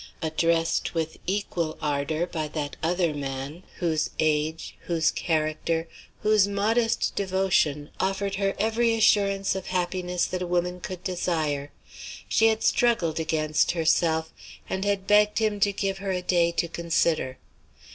Addressed with equal ardor by that other man, whose age, whose character, whose modest devotion offered her every assurance of happiness that a woman could desire, she had struggled against herself, and had begged him to give her a day to consider.